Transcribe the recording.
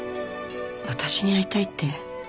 私に会いたいって？